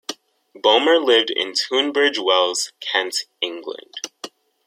Bulmer lived in Tunbridge Wells, Kent, England.